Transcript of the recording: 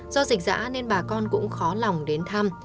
do dịch dã nên bà con cũng khó lòng đến thăm